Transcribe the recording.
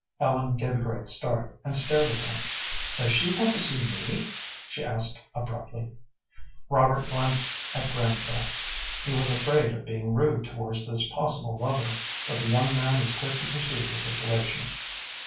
Ellen gave a great start, and stared at him. "Does she want to see me?" she asked, abruptly. Robert glanced at Granville. He was afraid of being rude towards this possible lover, but the young man was quick to perceive the situation.